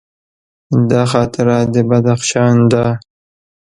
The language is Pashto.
دا خاطره د بدخشان ده.